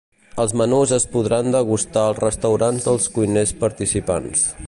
Els menús es podran degustar als restaurants dels cuiners participants.